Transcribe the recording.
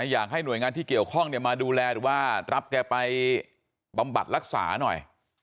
อยากให้หน่วยงานที่เกี่ยวข้องมาดูแลหรือว่ารับแกไปบำบัดรักษาหน่อย